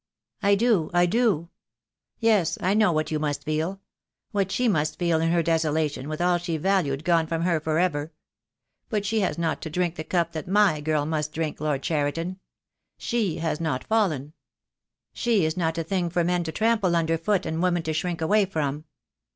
"I do — I do! Yes, I know what you must feel — what she must feel in her desolation, with all she valued gone from her for ever. But she has not to drink the cup that my girl must drink, Lord Cheriton. She has 124 THE DAY WILL COME. not fallen. She is not a thing for men to trample under foot, and women to shrink away from."